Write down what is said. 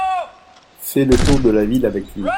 Fais le tour de la ville avec lui.